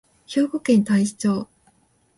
兵庫県太子町